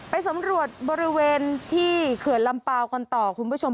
ไปสำรวจบริเวณที่เขื่อนลำเปล่ากันต่อคุณผู้ชม